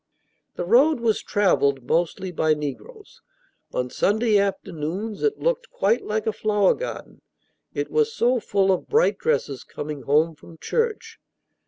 The road was traveled mostly by negroes. On Sunday afternoons it looked quite like a flower garden, it was so full of bright dresses coming home from church.